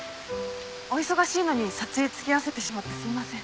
お忙しいのに撮影付き合わせてしまってすいません。